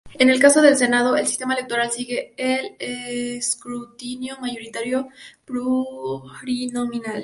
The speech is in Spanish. En el caso del Senado, el sistema electoral sigue el escrutinio mayoritario plurinominal.